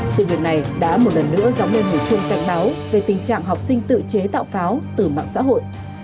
sự việc này đã một lần nữa gióng lên hủy chung cạnh báo về tình trạng học sinh tự chế tạo pháo từ mạng xã hội